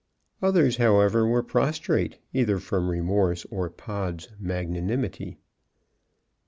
Others, however, were prostrate, either from remorse or Pod's magnanimity.